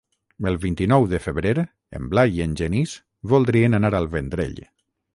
El vint-i-nou de febrer en Blai i en Genís voldrien anar al Vendrell.